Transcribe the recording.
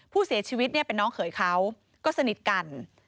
ผู้เสียชีวิตเนี่ยเป็นน้องเขยเขาก็สนิทกัน